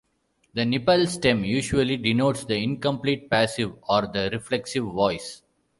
The Niphal stem usually denotes the incomplete passive or the reflexive voice.